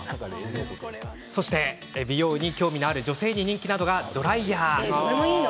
そして、美容に興味のある女性に人気なのがドライヤー。